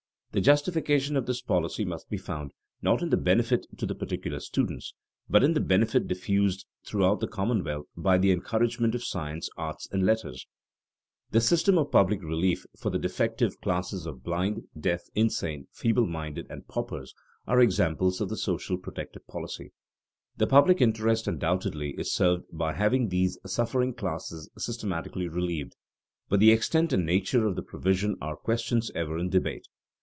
The justification of this policy must be found, not in the benefit to the particular students, but in the benefit diffused throughout the commonwealth by the encouragement of science, arts, and letters. [Sidenote: Public charity] [Sidenote: Temperance legislation] The system of public relief for the defective classes of blind, deaf, insane, feeble minded, and paupers, are examples of the social protective policy. The public interest undoubtedly is served by having these suffering classes systematically relieved, but the extent and nature of the provision are questions ever in debate.